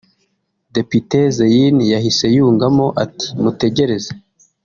Depite Zein yahise yungamo ati “Mutegereze